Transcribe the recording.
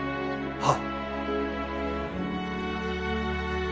はっ！